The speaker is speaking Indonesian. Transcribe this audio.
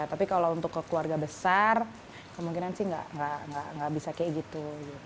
tapi kalau untuk ke keluarga besar kemungkinan sih nggak bisa kayak gitu